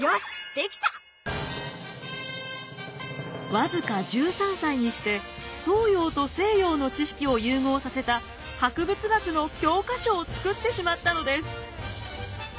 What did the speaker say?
僅か１３歳にして東洋と西洋の知識を融合させた博物学の教科書を作ってしまったのです。